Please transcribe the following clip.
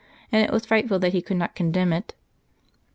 And it was frightful that he could not condemn it.